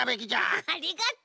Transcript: ハハありがとう。